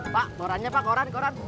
pak korannya pak koran koran